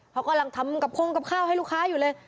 เขากำลังทำกระพงกับข้าวให้ลูกค้าอยู่เลย